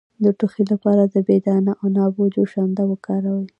د ټوخي لپاره د بې دانه عنابو جوشانده وکاروئ